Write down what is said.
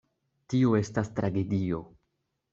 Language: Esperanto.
Tio estas tragedio.